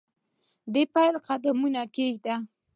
دپیل قدمونه ایږدي